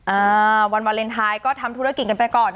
อ่าวันวาเลนไทยก็ทำธุรกิจกันไปก่อน